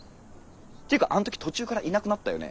ていうかあん時途中からいなくなったよね？